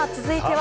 は